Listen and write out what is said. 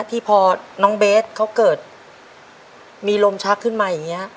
ที่พอน้องเบสเขาเกิดมีลมชักขึ้นมาอย่างนี้